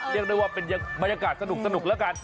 เรียกได้ว่าเป็นบรรยากาศสนุกแล้วกัน